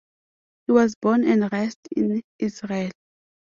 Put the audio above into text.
He was born and raised in Israel.